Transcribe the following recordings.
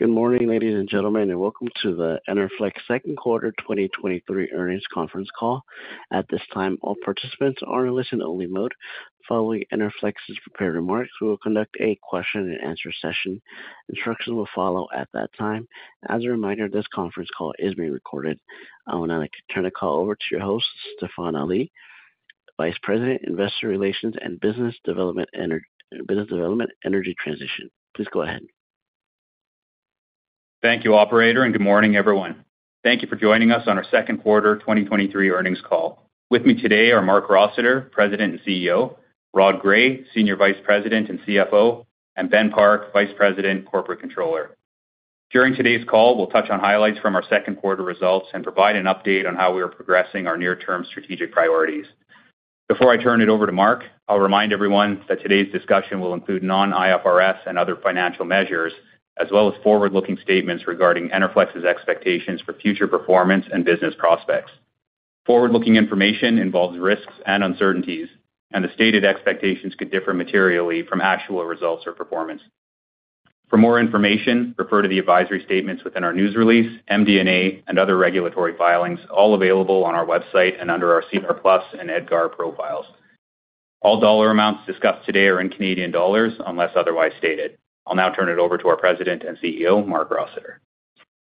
Good morning, ladies and gentlemen, welcome to the Enerflex Second Quarter 2023 Earnings Conference Call. At this time, all participants are in listen-only mode. Following Enerflex's prepared remarks, we will conduct a question-and-answer session. Instructions will follow at that time. As a reminder, this conference call is being recorded. I would now like to turn the call over to your host, Stefan Ali, Vice President, Investor Relations and Business Development Energy Transition. Please go ahead. Thank you, operator, and good morning, everyone. Thank you for joining us on our second quarter 2023 earnings call. With me today are Marc Rossiter, President and CEO, Rod Gray, Senior Vice President and CFO, and Ben Park, Vice President, Corporate Controller. During today's call, we'll touch on highlights from our second quarter results and provide an update on how we are progressing our near-term strategic priorities. Before I turn it over to Marc, I'll remind everyone that today's discussion will include non-IFRS and other financial measures, as well as forward-looking statements regarding Enerflex's expectations for future performance and business prospects. Forward-looking information involves risks and uncertainties, and the stated expectations could differ materially from actual results or performance. For more information, refer to the advisory statements within our news release, MD&A, and other regulatory filings, all available on our website and under our SEDAR+ and EDGAR profiles. All dollar amounts discussed today are in Canadian dollars, unless otherwise stated. I'll now turn it over to our President and CEO, Marc Rossiter.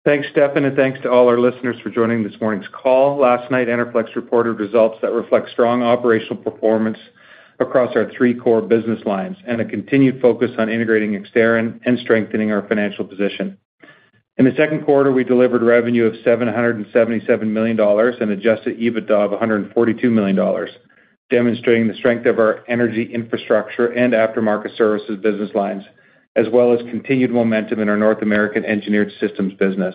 Thanks, Stefan, and thanks to all our listeners for joining this morning's call. Last night, Enerflex reported results that reflect strong operational performance across our three core business lines and a continued focus on integrating Exterran and strengthening our financial position. In the second quarter, we delivered revenue of $777 million and adjusted EBITDA of $142 million, demonstrating the strength of our energy infrastructure and aftermarket services business lines, as well as continued momentum in our North American Engineered Systems business.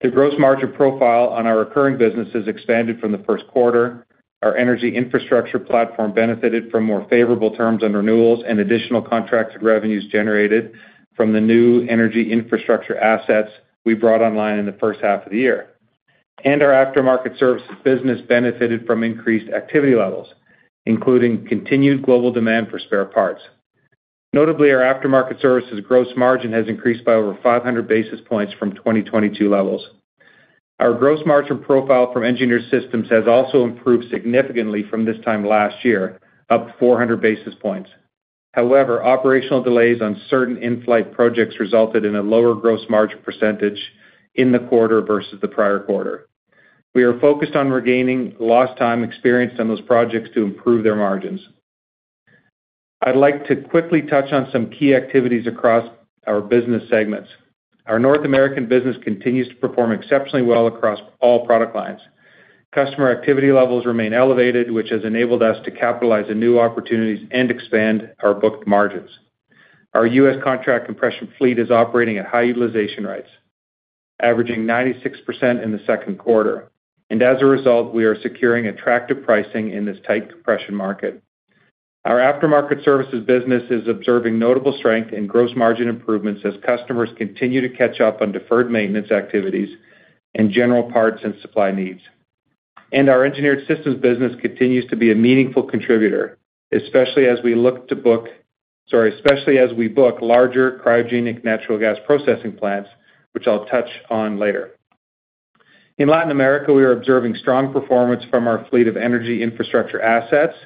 The gross margin profile on our recurring businesses expanded from the first quarter. Our energy infrastructure platform benefited from more favorable terms on renewals and additional contracted revenues generated from the new energy infrastructure assets we brought online in the first half of the year. Our aftermarket services business benefited from increased activity levels, including continued global demand for spare parts. Notably, our aftermarket services gross margin has increased by over 500 basis points from 2022 levels. Our gross margin profile from Engineered Systems has also improved significantly from this time last year, up 400 basis points. Operational delays on certain in-flight projects resulted in a lower gross margin percentage in the quarter versus the prior quarter. We are focused on regaining lost time experienced on those projects to improve their margins. I'd like to quickly touch on some key activities across our business segments. Our North American business continues to perform exceptionally well across all product lines. Customer activity levels remain elevated, which has enabled us to capitalize on new opportunities and expand our booked margins. Our U.S. contract compression fleet is operating at high utilization rates, averaging 96% in the second quarter. As a result, we are securing attractive pricing in this tight compression market. Our aftermarket services business is observing notable strength and gross margin improvements as customers continue to catch up on deferred maintenance activities and general parts and supply needs. Our Engineered Systems business continues to be a meaningful contributor, especially as we book larger cryogenic natural gas processing plants, which I'll touch on later. In Latin America, we are observing strong performance from our fleet of energy infrastructure assets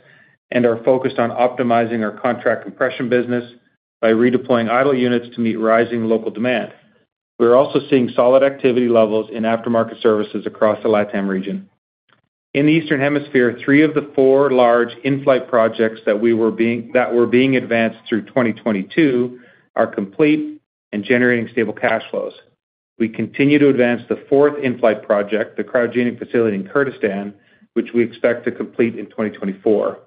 and are focused on optimizing our contract compression business by redeploying idle units to meet rising local demand. We are also seeing solid activity levels in aftermarket services across the LatAm region. In the Eastern Hemisphere, 3 of the 4 large in-flight projects that were being advanced through 2022 are complete and generating stable cash flows. We continue to advance the fourth in-flight project, the cryogenic facility in Kurdistan, which we expect to complete in 2024.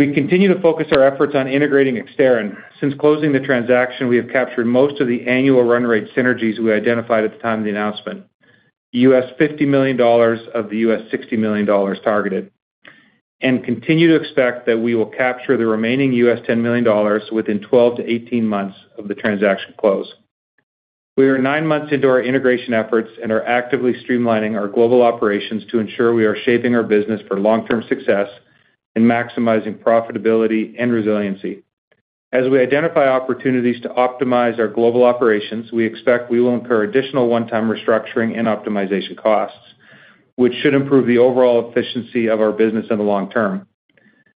We continue to focus our efforts on integrating Exterran. Since closing the transaction, we have captured most of the annual run rate synergies we identified at the time of the announcement, $50 million of the $60 million targeted, and continue to expect that we will capture the remaining $10 million within 12-18 months of the transaction close. We are 9 months into our integration efforts and are actively streamlining our global operations to ensure we are shaping our business for long-term success and maximizing profitability and resiliency. As we identify opportunities to optimize our global operations, we expect we will incur additional one-time restructuring and optimization costs, which should improve the overall efficiency of our business in the long term.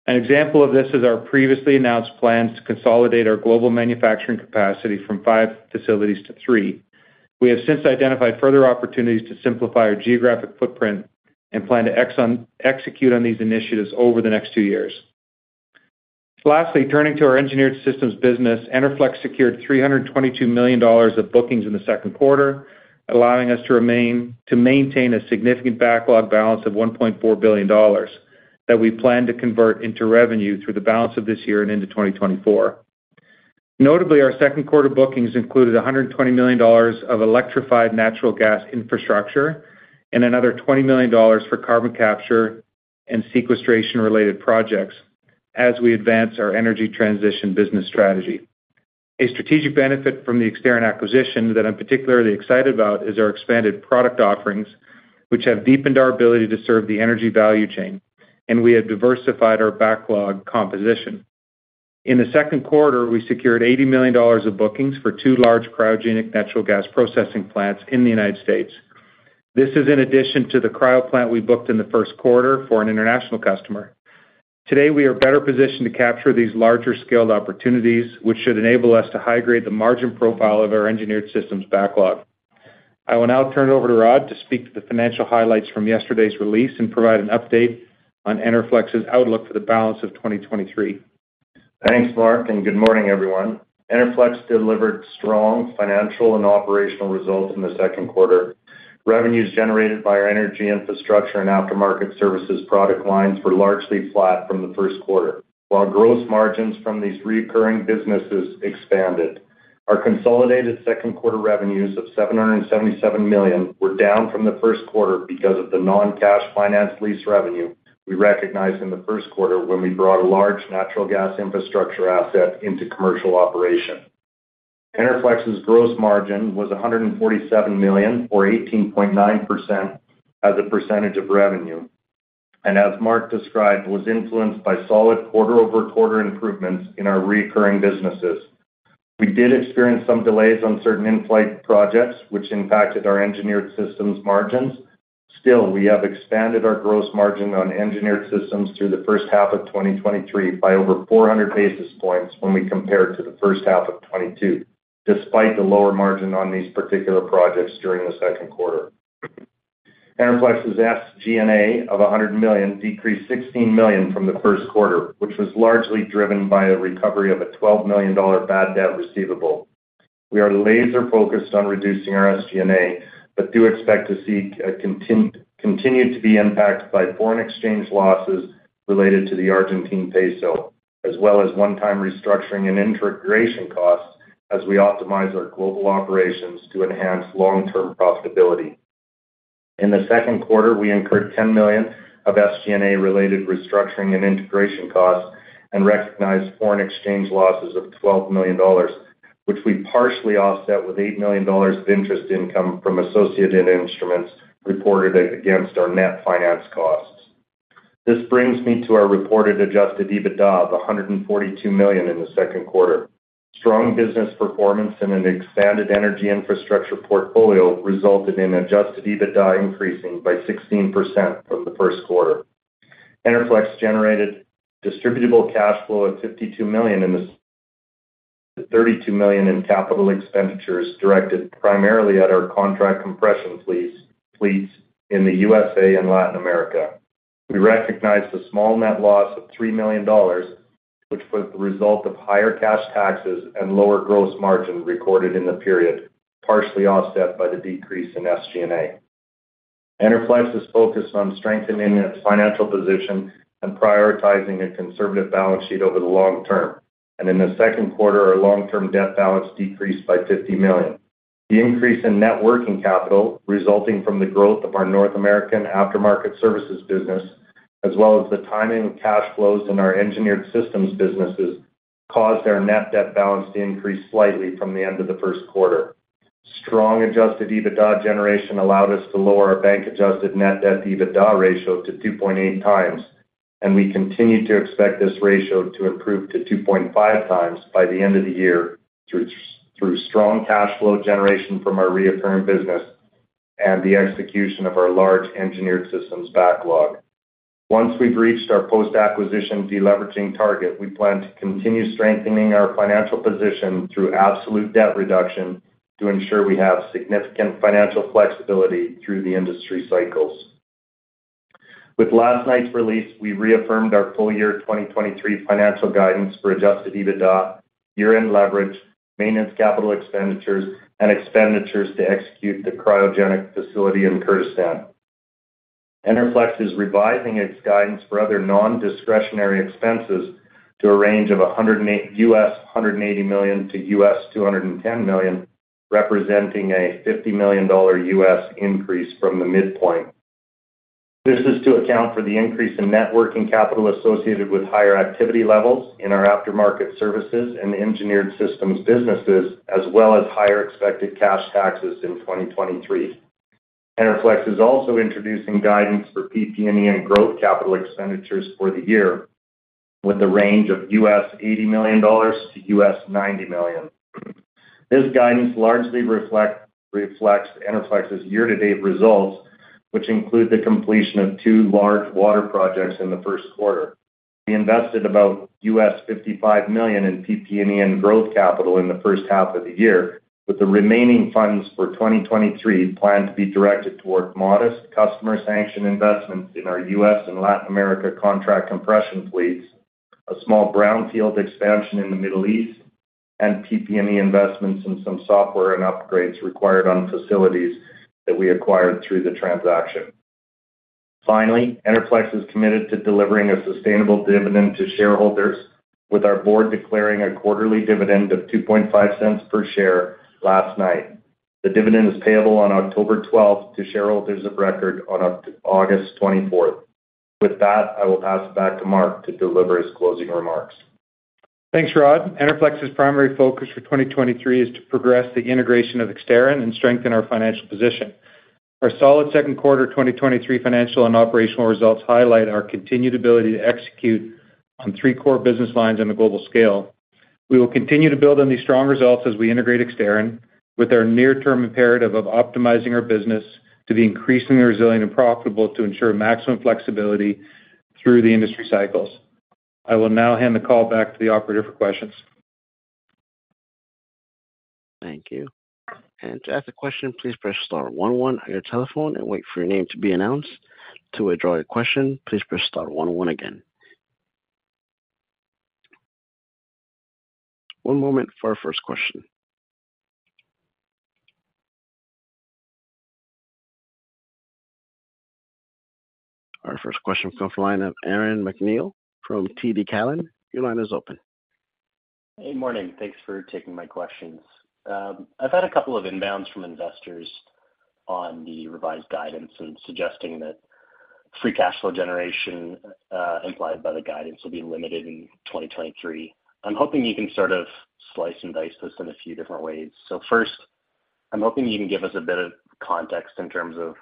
An example of this is our previously announced plans to consolidate our global manufacturing capacity from five facilities to three. We have since identified further opportunities to simplify our geographic footprint and plan to execute on these initiatives over the next two years. Lastly, turning to our Engineered Systems business, Enerflex secured $322 million of bookings in the second quarter, allowing us to maintain a significant backlog balance of $1.4 billion that we plan to convert into revenue through the balance of this year and into 2024. Notably, our second quarter bookings included $120 million of electrified natural gas infrastructure and another $20 million for carbon capture and sequestration-related projects as we advance our energy transition business strategy. A strategic benefit from the Exterran acquisition that I'm particularly excited about is our expanded product offerings, which have deepened our ability to serve the energy value chain, and we have diversified our backlog composition. In the second quarter, we secured $80 million of bookings for two large cryogenic natural gas processing plants in the United States. This is in addition to the cryo plant we booked in the first quarter for an international customer. Today, we are better positioned to capture these larger-scale opportunities, which should enable us to high grade the margin profile of our Engineered Systems backlog. I will now turn it over to Rod to speak to the financial highlights from yesterday's release and provide an update on Enerflex's outlook for the balance of 2023. Thanks, Marc, and good morning, everyone. Enerflex delivered strong financial and operational results in the second quarter. Revenues generated by our energy infrastructure and aftermarket services product lines were largely flat from the first quarter, while gross margins from these reoccurring businesses expanded. Our consolidated second quarter revenues of $777 million were down from the first quarter because of the non-cash finance lease revenue we recognized in the first quarter when we brought a large natural gas infrastructure asset into commercial operation. Enerflex's gross margin was $147 million, or 18.9%, as a percentage of revenue, and as Marc described, was influenced by solid quarter-over-quarter improvements in our reoccurring businesses. We did experience some delays on certain in-flight projects, which impacted our Engineered Systems margins. Still, we have expanded our gross margin on Engineered Systems through the first half of 2023 by over 400 basis points when we compare to the first half of 2022, despite the lower margin on these particular projects during the second quarter. Enerflex's SG&A of $100 million decreased $16 million from the first quarter, which was largely driven by a recovery of a $12 million bad debt receivable. We are laser-focused on reducing our SG&A, do expect to see continue to be impacted by foreign exchange losses related to the Argentine peso, as well as one-time restructuring and integration costs as we optimize our global operations to enhance long-term profitability. In the second quarter, we incurred $10 million of SG&A-related restructuring and integration costs and recognized foreign exchange losses of $12 million, which we partially offset with $8 million of interest income from associated instruments reported against our net finance costs. This brings me to our reported adjusted EBITDA of $142 million in the second quarter. Strong business performance and an expanded energy infrastructure portfolio resulted in adjusted EBITDA increasing by 16% from the first quarter. Enerflex generated distributable cash flow of $52 million, $32 million in CapEx, directed primarily at our contract compression fleets, fleets in the USA and Latin America. We recognized a small net loss of $3 million, which was the result of higher cash taxes and lower gross margin recorded in the period, partially offset by the decrease in SG&A. Enerflex is focused on strengthening its financial position and prioritizing a conservative balance sheet over the long term. In the second quarter, our long-term debt balance decreased by $50 million. The increase in net working capital, resulting from the growth of our North American aftermarket services business, as well as the timing of cash flows in our Engineered Systems businesses, caused our net debt balance to increase slightly from the end of the first quarter. Strong adjusted EBITDA generation allowed us to lower our bank-adjusted net debt EBITDA ratio to 2.8 times. We continue to expect this ratio to improve to 2.5 times by the end of the year, through strong cash flow generation from our reoccurring business and the execution of our large Engineered Systems backlog. Once we've reached our post-acquisition deleveraging target, we plan to continue strengthening our financial position through absolute debt reduction to ensure we have significant financial flexibility through the industry cycles. With last night's release, we reaffirmed our full year 2023 financial guidance for adjusted EBITDA, year-end leverage, maintenance capital expenditures, and expenditures to execute the cryogenic facility in Kurdistan. Enerflex is revising its guidance for other non-discretionary expenses to a range of $180 million-$210 million, representing a $50 million increase from the midpoint. This is to account for the increase in net working capital associated with higher activity levels in our aftermarket services and Engineered Systems businesses, as well as higher expected cash taxes in 2023. Enerflex is also introducing guidance for PP&E and growth capital expenditures for the year, with a range of $80 million-$90 million. This guidance largely reflects Enerflex's year-to-date results, which include the completion of two large water projects in the first quarter. We invested about $55 million in PP&E and growth capital in the first half of the year, with the remaining funds for 2023 planned to be directed toward modest customer sanction investments in our US and Latin America contract compression fleets, a small brownfield expansion in the Middle East, and PP&E investments in some software and upgrades required on facilities that we acquired through the transaction. Finally, Enerflex is committed to delivering a sustainable dividend to shareholders, with our board declaring a quarterly dividend of $0.025 per share last night. The dividend is payable on October 12th to shareholders of record on August 24th. With that, I will pass it back to Marc to deliver his closing remarks. Thanks, Rod. Enerflex's primary focus for 2023 is to progress the integration of Exterran and strengthen our financial position. Our solid second quarter 2023 financial and operational results highlight our continued ability to execute on three core business lines on a global scale. We will continue to build on these strong results as we integrate Exterran, with our near-term imperative of optimizing our business to be increasingly resilient and profitable to ensure maximum flexibility through the industry cycles. I will now hand the call back to the operator for questions. Thank you. To ask a question, please press star 1 1 on your telephone and wait for your name to be announced. To withdraw your question, please press star 1 1 again. One moment for our first question. Our first question comes from the line of Aaron MacNeil from TD Cowen. Your line is open. Hey, morning. Thanks for taking my questions. I've had a couple of inbounds from investors on the revised guidance and suggesting that free cash flow generation implied by the guidance will be limited in 2023. I'm hoping you can sort of slice and dice this in a few different ways. First, I'm hoping you can give us a bit of context in terms of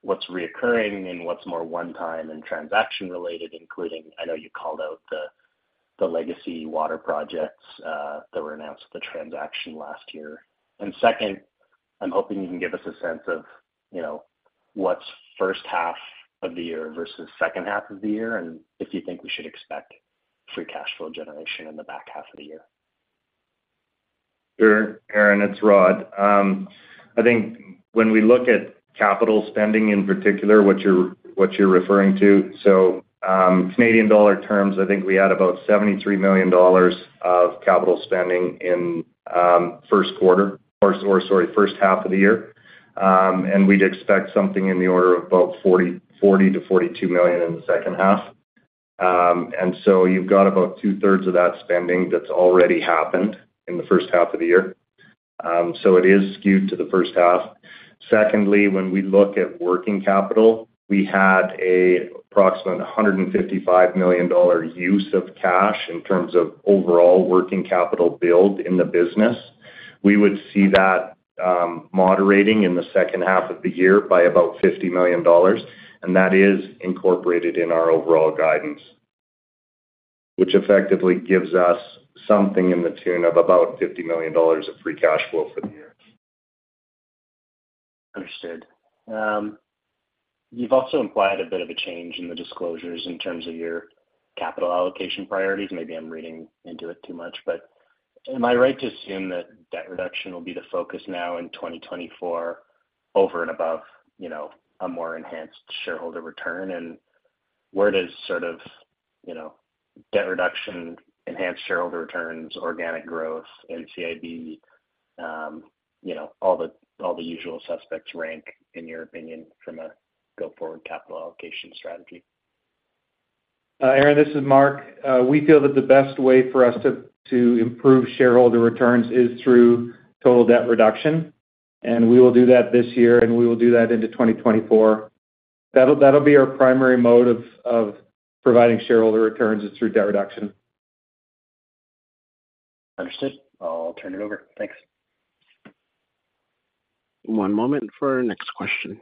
what's reoccurring and what's more one-time and transaction-related, including I know you called out the legacy water projects that were announced at the transaction last year. Second, I'm hoping you can give us a sense of, you know, what's first half of the year versus second half of the year, and if you think we should expect free cash flow generation in the back half of the year. Sure, Aaron, it's Rod. I think when we look at capital spending, in particular, what you're, what you're referring to. In Canadian dollar terms, I think we had about 73 million dollars of capital spending in first quarter, or, sorry, first half of the year. We'd expect something in the order of about 40-42 million in the second half. You've got about two-thirds of that spending that's already happened in the first half of the year. It is skewed to the first half. Secondly, when we look at working capital, we had an approximate 155 million dollar use of cash in terms of overall working capital build in the business. We would see that moderating in the second half of the year by about $50 million, and that is incorporated in our overall guidance, which effectively gives us something in the tune of about $50 million of free cash flow for the year. Understood. You've also implied a bit of a change in the disclosures in terms of your capital allocation priorities. Maybe I'm reading into it too much, but am I right to assume that debt reduction will be the focus now in 2024 over and above, you know, a more enhanced shareholder return? Where does sort of, you know, debt reduction, enhanced shareholder returns, organic growth, NCIB, you know, all the, all the usual suspects rank, in your opinion, from a go-forward capital allocation strategy? Aaron, this is Marc. We feel that the best way for us to, to improve shareholder returns is through total debt reduction, and we will do that this year, and we will do that into 2024. That'll, that'll be our primary mode of, of providing shareholder returns, is through debt reduction. Understood. I'll turn it over. Thanks. One moment for our next question.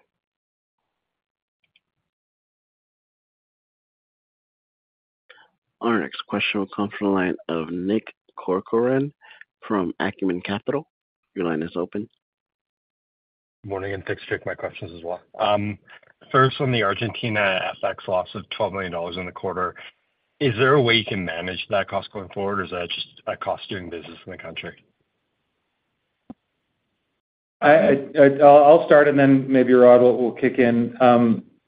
Our next question will come from the line of Nick Corcoran from Acumen Capital. Your line is open. Morning, thanks for taking my questions as well. First, on the Argentina FX loss of $12 million in the quarter, is there a way you can manage that cost going forward, or is that just a cost of doing business in the country? I'll start, and then maybe Rod will kick in.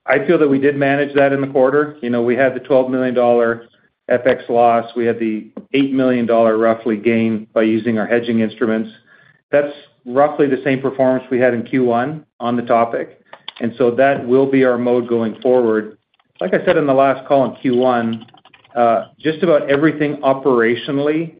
I feel that we did manage that in the quarter. You know, we had the $12 million FX loss. We had the $8 million, roughly, gain by using our hedging instruments. That's roughly the same performance we had in Q1 on the topic, and so that will be our mode going forward. Like I said in the last call in Q1, just about everything operationally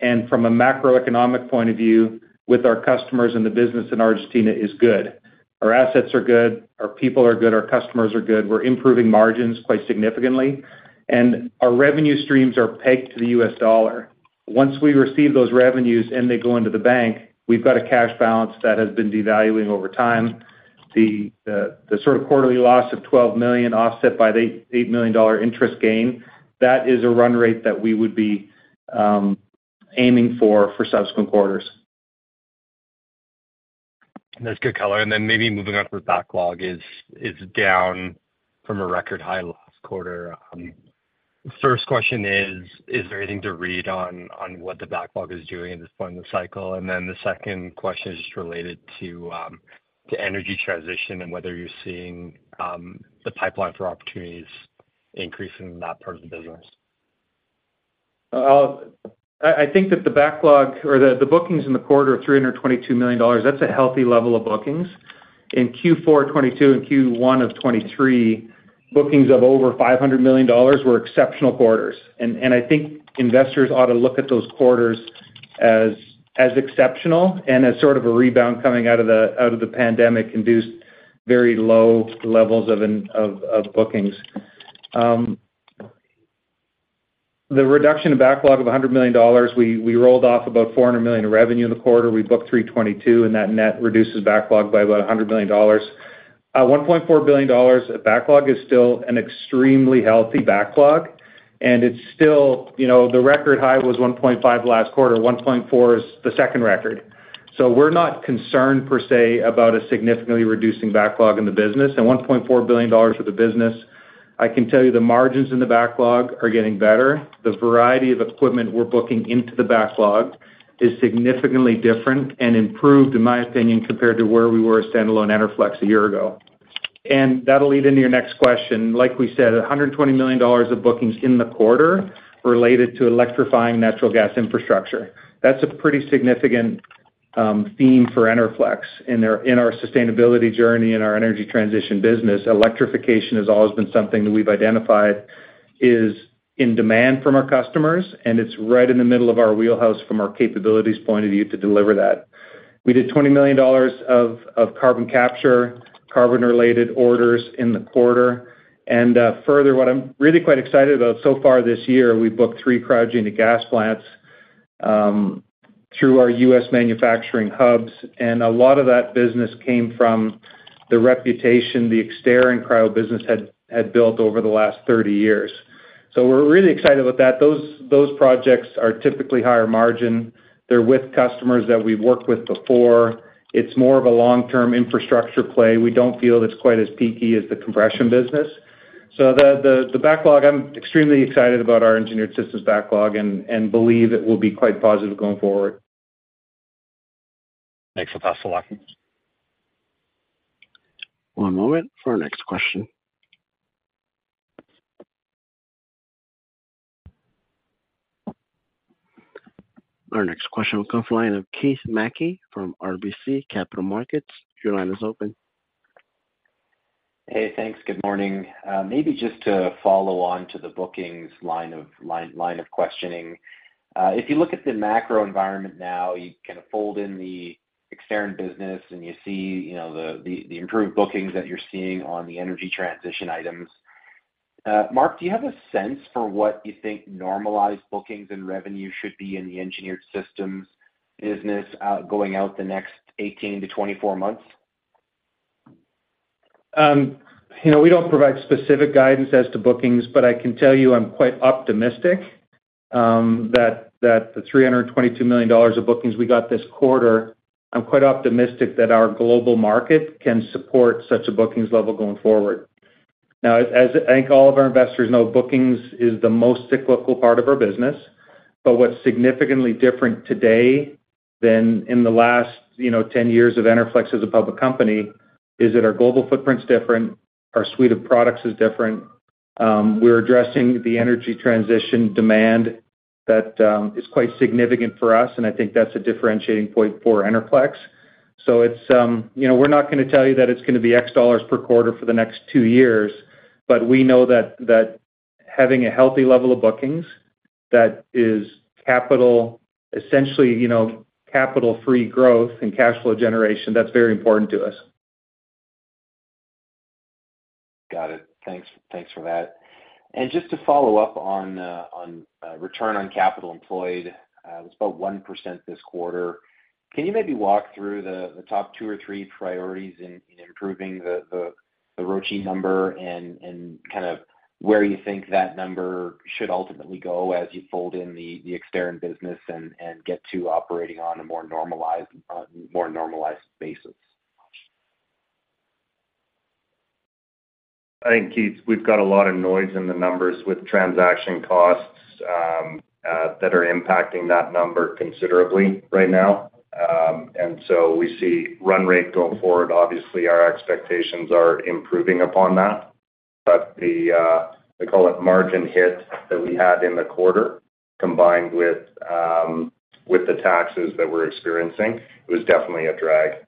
and from a macroeconomic point of view with our customers and the business in Argentina is good. Our assets are good, our people are good, our customers are good, we're improving margins quite significantly, and our revenue streams are pegged to the US dollar. Once we receive those revenues and they go into the bank, we've got a cash balance that has been devaluing over time. The, the sort of quarterly loss of $12 million offset by the $8 million interest gain, that is a run rate that we would be, aiming for for subsequent quarters. That's good color. Then maybe moving on with backlog is, is down from a record high last quarter. First question is: Is there anything to read on, on what the backlog is doing at this point in the cycle? Then the second question is just related to, to energy transition and whether you're seeing the pipeline for opportunities increase in that part of the business. I think that the backlog or the bookings in the quarter of $322 million, that's a healthy level of bookings. In Q4 2022 and Q1 of 2023, bookings of over $500 million were exceptional quarters. I think investors ought to look at those quarters as exceptional and as sort of a rebound coming out of the pandemic-induced very low levels of bookings. The reduction in backlog of $100 million, we rolled off about $400 million in revenue in the quarter. We booked $322, and that net reduces backlog by about $100 million. $1.4 billion of backlog is still an extremely healthy backlog, and it's still. You know, the record high was $1.5 billion last quarter. 1.4 is the second record. We're not concerned, per se, about a significantly reducing backlog in the business. $1.4 billion for the business, I can tell you the margins in the backlog are getting better. The variety of equipment we're booking into the backlog is significantly different and improved, in my opinion, compared to where we were at standalone Enerflex a year ago. That'll lead into your next question. Like we said, $120 million of bookings in the quarter related to electrifying natural gas infrastructure. That's a pretty significant theme for Enerflex. In our, in our sustainability journey and our energy transition business, electrification has always been something that we've identified is in demand from our customers, and it's right in the middle of our wheelhouse from our capabilities point of view to deliver that. We did $20 million of, of carbon capture, carbon-related orders in the quarter. Further, what I'm really quite excited about, so far this year, we've booked three cryogenic to gas plants, through our U.S. manufacturing hubs, and a lot of that business came from the reputation the Exterran Cryo business had, had built over the last 30 years. We're really excited about that. Those, those projects are typically higher margin. They're with customers that we've worked with before. It's more of a long-term energy infrastructure play. We don't feel it's quite as peaky as the compression business. The, the, the backlog, I'm extremely excited about our Engineered Systems backlog and, and believe it will be quite positive going forward. Thanks for passing along. One moment for our next question. Our next question comes from the line of Keith Mackey from RBC Capital Markets. Your line is open. Hey, thanks. Good morning. Maybe just to follow on to the bookings line of questioning. If you look at the macro environment now, you kind of fold in the Exterran business and you see, you know, the, the, the improved bookings that you're seeing on the energy transition items. Marc, do you have a sense for what you think normalized bookings and revenue should be in the Engineered Systems business going out the next 18-24 months? You know, we don't provide specific guidance as to bookings, but I can tell you I'm quite optimistic that the $322 million of bookings we got this quarter, I'm quite optimistic that our global market can support such a bookings level going forward. As I think all of our investors know, bookings is the most cyclical part of our business. What's significantly different today than in the last, you know, 10 years of Enerflex as a public company, is that our global footprint is different, our suite of products is different. We're addressing the energy transition demand that is quite significant for us, and I think that's a differentiating point for Enerflex. It's, you know, we're not going to tell you that it's going to be X dollars per quarter for the next two years, but we know that, that having a healthy level of bookings, that is capital, essentially, you know, capital-free growth and cash flow generation, that's very important to us. Got it. Thanks. Thanks for that. Just to follow up on, on, return on capital employed, it was about 1% this quarter. Can you maybe walk through the, the top two or three priorities in, in improving the, the, the ROCE number and, and kind of where you think that number should ultimately go as you fold in the, the Exterran business and, and get to operating on a more normalized, more normalized basis? I think, Keith, we've got a lot of noise in the numbers with transaction costs, that are impacting that number considerably right now. So we see run rate going forward. Obviously, our expectations are improving upon that. The we call it margin hit that we had in the quarter, combined with, with the taxes that we're experiencing, it was definitely a drag.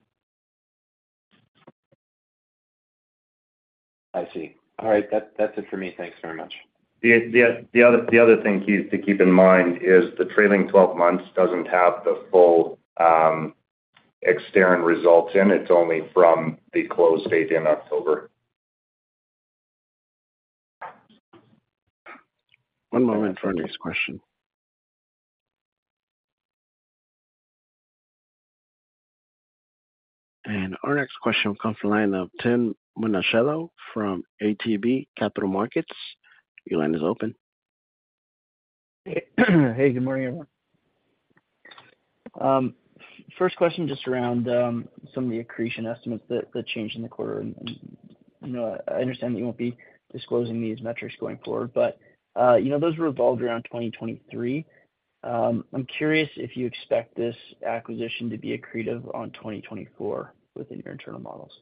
I see. All right, that, that's it for me. Thanks very much. The, the, the other, the other thing, Keith, to keep in mind is the trailing 12 months doesn't have the full, Exterran results in. It's only from the close date in October. One moment for our next question. Our next question comes from the line of Tim Monachello from ATB Capital Markets. Your line is open. Hey, good morning, everyone. First question, just around some of the accretion estimates that, that changed in the quarter, and, you know, I understand you won't be disclosing these metrics going forward, but, you know, those revolved around 2023. I'm curious if you expect this acquisition to be accretive on 2024 within your internal models.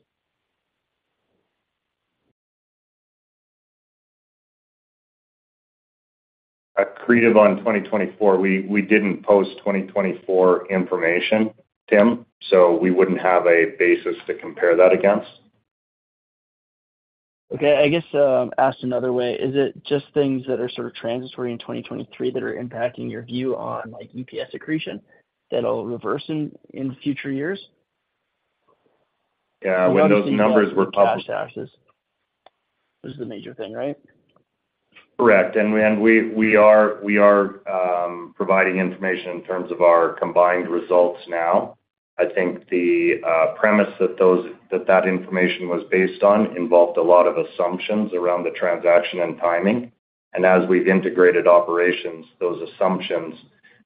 Accretive on 2024, we, we didn't post 2024 information, Tim, so we wouldn't have a basis to compare that against.... Okay, I guess, asked another way, is it just things that are sort of transitory in 2023 that are impacting your view on, like, EPS accretion that'll reverse in, in future years? Yeah, when those numbers were published... Cash taxes, is the major thing, right? Correct. We, and we, we are, we are providing information in terms of our combined results now. I think the premise that that information was based on involved a lot of assumptions around the transaction and timing. As we've integrated operations, those assumptions,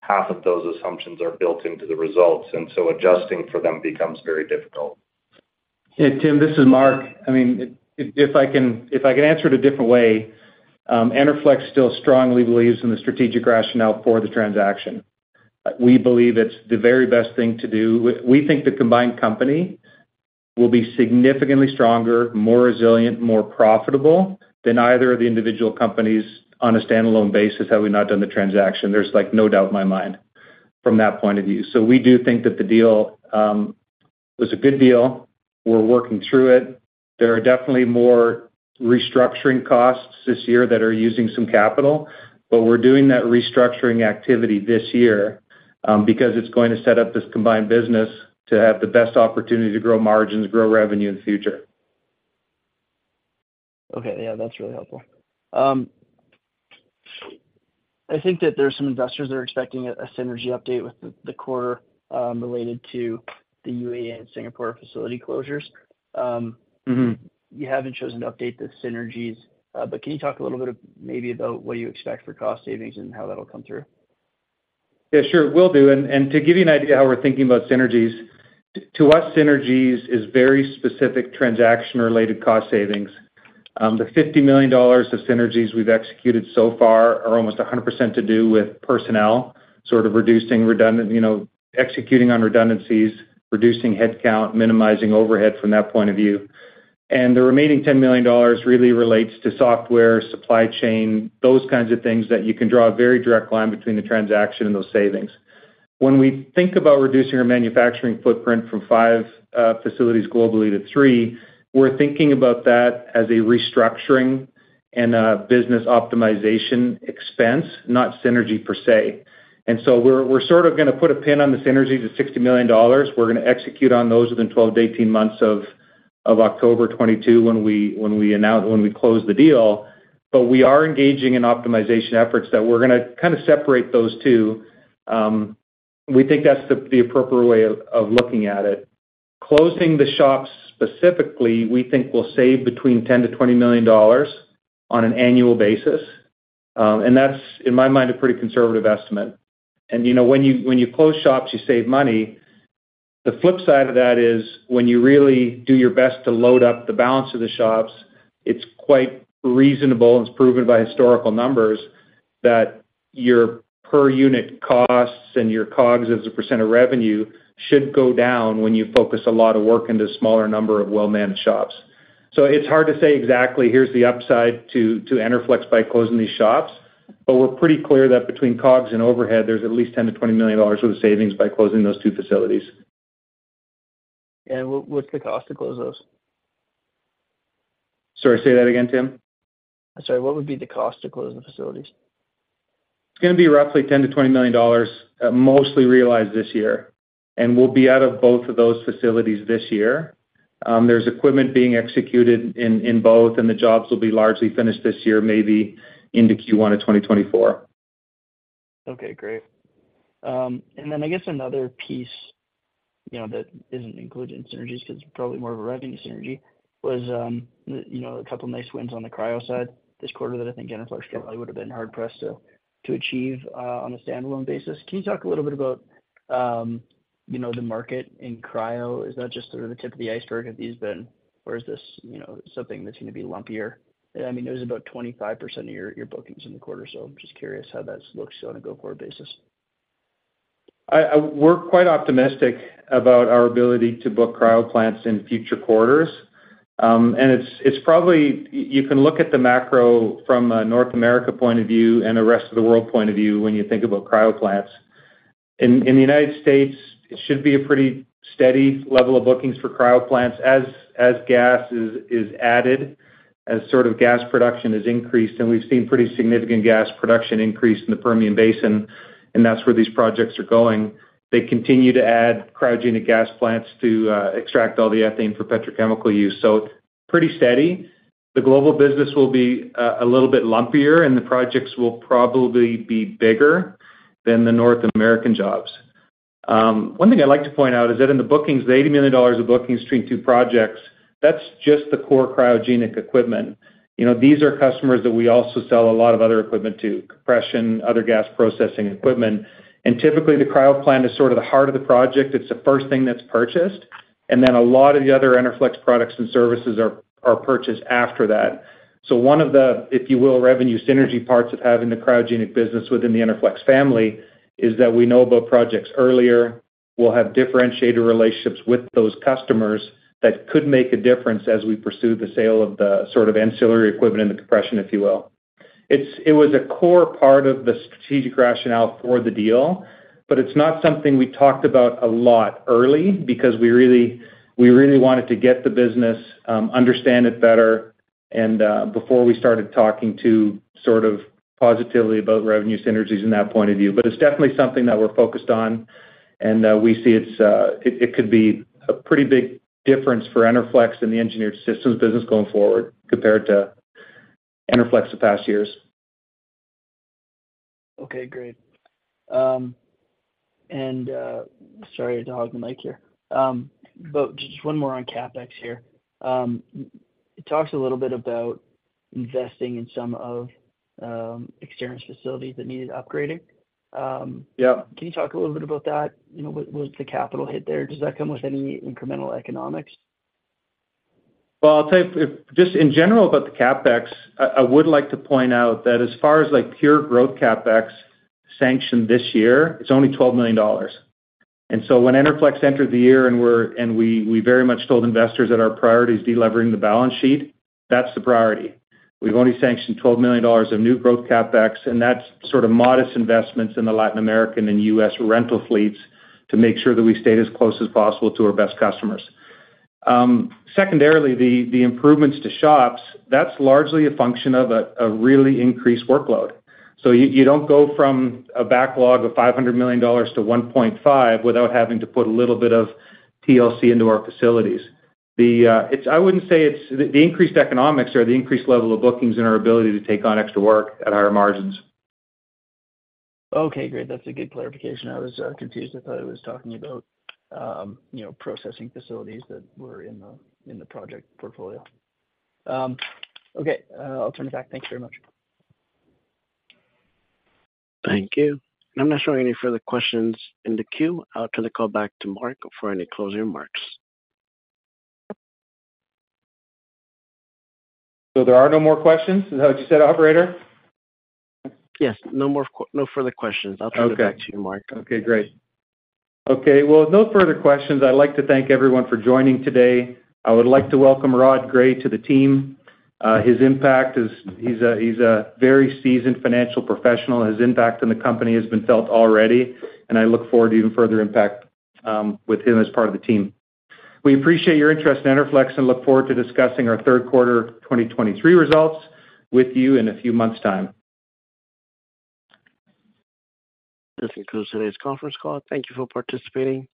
half of those assumptions are built into the results, and so adjusting for them becomes very difficult. Hey, Tim, this is Marc. I mean, if, if I can, if I can answer it a different way, Enerflex still strongly believes in the strategic rationale for the transaction. We believe it's the very best thing to do. We think the combined company will be significantly stronger, more resilient, more profitable than either of the individual companies on a standalone basis, had we not done the transaction. There's, like, no doubt in my mind from that point of view. We do think that the deal was a good deal. We're working through it. There are definitely more restructuring costs this year that are using some capital, but we're doing that restructuring activity this year because it's going to set up this combined business to have the best opportunity to grow margins, grow revenue in the future. Okay. Yeah, that's really helpful. I think that there are some investors that are expecting a synergy update with the quarter, related to the UAE and Singapore facility closures. Mm-hmm. You haven't chosen to update the synergies, but can you talk a little bit, maybe about what you expect for cost savings and how that'll come through? Yeah, sure, will do. To give you an idea how we're thinking about synergies, to us, synergies is very specific transaction-related cost savings. The $50 million of synergies we've executed so far are almost 100% to do with personnel, sort of reducing redundant, you know, executing on redundancies, reducing headcount, minimizing overhead from that point of view. The remaining $10 million really relates to software, supply chain, those kinds of things that you can draw a very direct line between the transaction and those savings. When we think about reducing our manufacturing footprint from 5 facilities globally to 3, we're thinking about that as a restructuring and a business optimization expense, not synergy per se. We're, we're sort of gonna put a pin on the synergies of $60 million. We're gonna execute on those within 12 to 18 months of, of October 2022, when we, when we announced when we closed the deal. We are engaging in optimization efforts that we're gonna kind of separate those two. We think that's the, the appropriate way of, of looking at it. Closing the shops, specifically, we think will save between $10 million-$20 million on an annual basis. That's, in my mind, a pretty conservative estimate. You know, when you, when you close shops, you save money. The flip side of that is when you really do your best to load up the balance of the shops, it's quite reasonable, and it's proven by historical numbers, that your per unit costs and your COGS as a % of revenue, should go down when you focus a lot of work into smaller number of well-managed shops. It's hard to say exactly, here's the upside to, to Enerflex by closing these shops, but we're pretty clear that between COGS and overhead, there's at least $10 million-$20 million worth of savings by closing those 2 facilities. What's the cost to close those? Sorry, say that again, Tim? Sorry, what would be the cost to close the facilities? It's gonna be roughly $10 million-$20 million, mostly realized this year. We'll be out of both of those facilities this year. There's equipment being executed in both, and the jobs will be largely finished this year, maybe into Q1 of 2024. Okay, great. Then I guess another piece, you know, that isn't included in synergies, because it's probably more of a revenue synergy, was, you know, a couple of nice wins on the cryo side this quarter that I think Enerflex probably would have been hard pressed to, to achieve on a standalone basis. Can you talk a little bit about, you know, the market in cryo? Is that just sort of the tip of the iceberg? Have these been... Or is this, you know, something that's going to be lumpier? I mean, it was about 25% of your, your bookings in the quarter, so I'm just curious how that looks on a go-forward basis. I, we're quite optimistic about our ability to book cryo plants in future quarters. It's, it's probably, you can look at the macro from a North America point of view and the rest of the world point of view when you think about cryo plants. In the United States, it should be a pretty steady level of bookings for cryo plants as, as gas is, is added, as sort of gas production is increased. We've seen pretty significant gas production increase in the Permian Basin, and that's where these projects are going. They continue to add cryogenic gas plants to extract all the ethane for petrochemical use. Pretty steady. The global business will be a little bit lumpier, and the projects will probably be bigger than the North American jobs. One thing I'd like to point out is that in the bookings, the $80 million of bookings between two projects, that's just the core cryogenic equipment. You know, these are customers that we also sell a lot of other equipment to: compression, other gas processing equipment. Typically, the cryo plant is sort of the heart of the project. It's the first thing that's purchased, and then a lot of the other Enerflex products and services are purchased after that. One of the, if you will, revenue synergy parts of having the cryogenic business within the Enerflex family, is that we know about projects earlier. We'll have differentiated relationships with those customers that could make a difference as we pursue the sale of the sort of ancillary equipment in the compression, if you will.... It's, it was a core part of the strategic rationale for the deal, but it's not something we talked about a lot early, because we really, we really wanted to get the business, understand it better, and before we started talking to sort of positivity about revenue synergies in that point of view. It's definitely something that we're focused on, and we see it's, it, it could be a pretty big difference for Enerflex in the Engineered Systems business going forward compared to Enerflex the past years. Okay, great. Sorry to hog the mic here. Just one more on CapEx here. It talks a little bit about investing in some of, Exterran facilities that needed upgrading. Yeah. Can you talk a little bit about that? You know, what, what's the capital hit there? Does that come with any incremental economics? Well, I'll tell you, if just in general about the CapEx, I, I would like to point out that as far as, like, pure growth CapEx sanctioned this year, it's only $12 million. When Enerflex entered the year, we, we very much told investors that our priority is delevering the balance sheet, that's the priority. We've only sanctioned $12 million of new growth CapEx, and that's sort of modest investments in the Latin American and US rental fleets to make sure that we stayed as close as possible to our best customers. Secondarily, the, the improvements to shops, that's largely a function of a, a really increased workload. You, you don't go from a backlog of $500 million to $1.5 billion without having to put a little bit of TLC into our facilities. The, I wouldn't say it's the, the increased economics or the increased level of bookings and our ability to take on extra work at higher margins. Okay, great. That's a good clarification. I was confused. I thought it was talking about, you know, processing facilities that were in the project portfolio. Okay, I'll turn it back. Thank you very much. Thank you. I'm not showing any further questions in the queue. I'll turn the call back to Marc for any closing remarks. There are no more questions, is that what you said, operator? Yes, no more no further questions. Okay. I'll turn it back to you, Marc. Okay, great. Okay, well, with no further questions, I'd like to thank everyone for joining today. I would like to welcome Rod Gray to the team. His impact is he's a very seasoned financial professional, and his impact on the company has been felt already, and I look forward to even further impact, with him as part of the team. We appreciate your interest in Enerflex and look forward to discussing our third quarter 2023 results with you in a few months' time. This concludes today's conference call. Thank you for participating.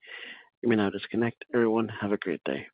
You may now disconnect. Everyone, have a great day.